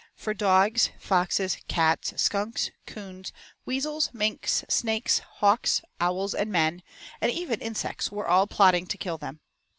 For dogs, foxes, cats, skunks, coons, weasels, minks, snakes, hawks, owls, and men, and even insects were all plotting to kill them.